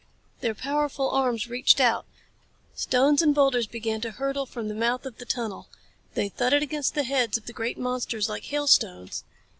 Their powerful arms reached out. Stones and boulders began to hurtle from the mouth of the tunnel. They thudded against the heads of the great monsters like hailstones.